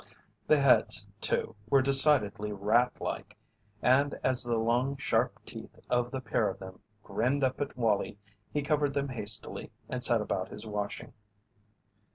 The heads, too, were decidedly rat like, and as the long, sharp teeth of the pair of them grinned up at Wallie he covered them hastily and set about his washing.